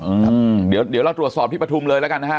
อืมครับเดี๋ยวเดี๋ยวเราตรวจสอบที่ปฐุมเลยแล้วกันนะฮะ